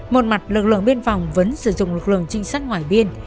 một mặt lực lượng biên phòng vẫn sử dụng lực lượng trinh sát ngoại biên